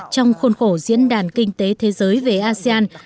trong khuôn khổ diễn đàn kinh tế thế giới về asean